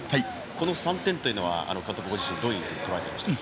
この３点というのは監督ご自身どうとらえていましたか。